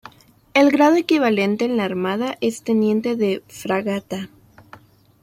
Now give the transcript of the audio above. El grado equivalente en la Armada es teniente de fragata.